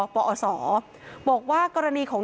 บ่ออสรบอกว่ากรณีของ